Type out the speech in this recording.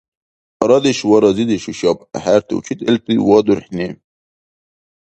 Арадеш ва разидеш хӀушаб, ахӀерти учительти ва дурхӀни!